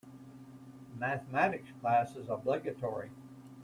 Mathematics class is obligatory.